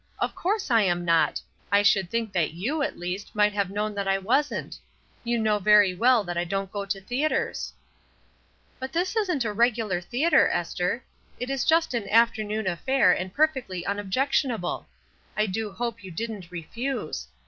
Of course I am not. I should think that you, at least, might have known that I wasn't. You know very well that I don't go to theatres." "But this isn't a regular theatre, Esther. It is just an afternoon affair, and perfectly unobjectionable. I do hope you didn't refuse.